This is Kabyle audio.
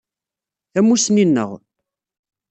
Tamusni-nneƔ